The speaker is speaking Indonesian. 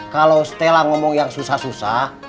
kalau stella ngomong yang susah susah